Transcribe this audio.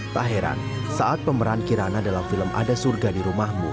tak heran saat pemeran kirana dalam film ada surga di rumahmu